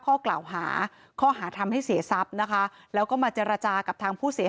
ข้อกล่าวหาข้อหาทำให้เสียทรัพย์นะคะแล้วก็มาเจรจากับทางผู้เสียหาย